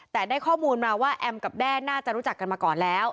แต่ได้ข้อมูลมาว่าแอมกับแด้น่าจะรู้จักกันมาก่อนแล้ว